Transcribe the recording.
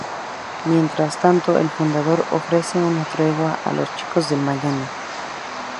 Mientras tanto, el Fundador ofrece una tregua a los Chicos del mañana.